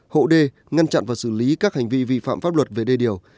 hộ đê ngăn chặn và xử lý các hành vi vi phạm pháp luật về đê điều